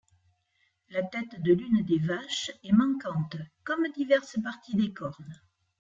La tête de l'une des vaches est manquante comme diverses parties des cornes.